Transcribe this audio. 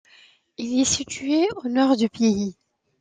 Elle est située au nord du pays.